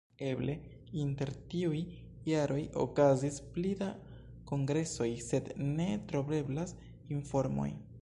Eble inter tiuj jaroj okazis pli da kongresoj, sed ne troveblas informoj.